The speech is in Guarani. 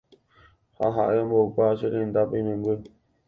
ha ha'e ombouka cherendápe imemby